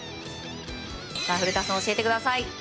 古田さん、教えてください